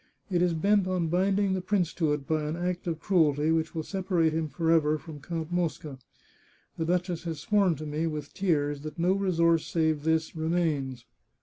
It is bent on binding the prince to it by an act of cruelty which will separate him forever from Count Mosca. The duchess has sworn to me, with tears, that no resource save this remains.